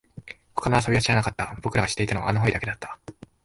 他の遊びは知らなかった、僕らが知っていたのは穴掘りだけだった